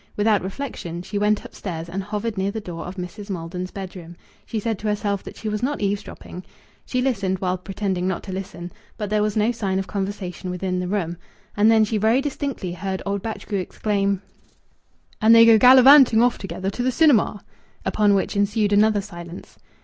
Without reflection she went upstairs and hovered near the door of Mrs. Maldon's bedroom. She said to herself that she was not eavesdropping. She listened, while pretending not to listen, but there was no sign of conversation within the room. And then she very distinctly heard old Batchgrew exclaim "And they go gallivanting off together to the cinema!" Upon which ensued another silence.